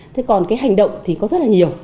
thế còn cái hành động thì có rất là nhiều